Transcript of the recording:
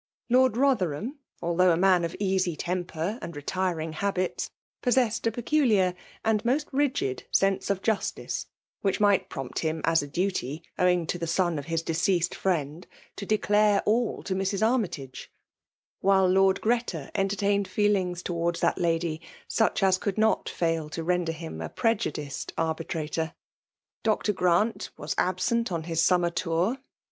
Lord fiodier' ham, although a man of easy temper and re tiring habits, possessed a peculiar and most rigid ^sense of justice, whidi miglit prompt him as a duty, owing to the son of his deceased friend, to declare all to Mrs. Army tag^ ; while Lord Greta entertained fedings towards that lady, such as could not fail to render him a. prejudiced arbitrator. Dr. Orant was absent on his summer tour.